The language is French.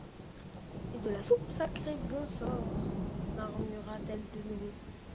Et de la soupe, sacré bon sort! murmura-t-elle de nouveau.